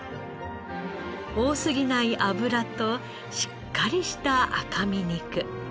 大すぎない脂としっかりした赤身肉。